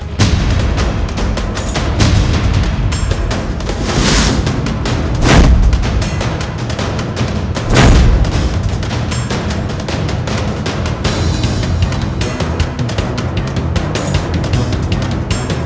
kisah kisah yang terjadi di dalam hidupku